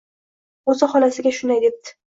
O`zi xolasiga shunday debdi